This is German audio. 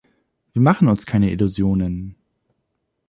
Wir machen uns keine Illusionen.